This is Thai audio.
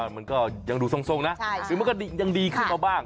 มันก็ยังดูทรงนะหรือมันก็ยังดีขึ้นมาบ้าง